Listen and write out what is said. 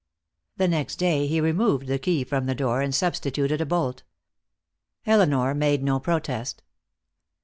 The next day he removed the key from the door, and substituted a bolt. Elinor made no protest.